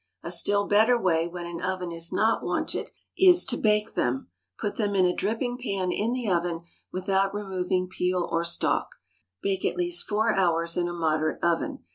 A still better way when an oven is not wanted is to bake them. Put them in a dripping pan in the oven without removing peel or stalk. Bake at least four hours in a moderate oven.